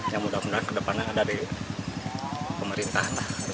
ya mudah mudahan ke depannya ada di pemerintah